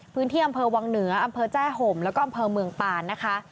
พื้นที่อำเภอวังเหนืออำเภอแจ้ห่มแล้วก็อำเภอเมืองปานนะคะ